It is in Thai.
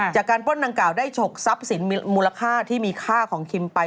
ปล้นดังกล่าได้ฉกทรัพย์สินมูลค่าที่มีค่าของคิมไป